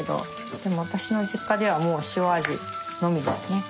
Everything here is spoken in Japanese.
でも私の実家ではもう塩味のみですね。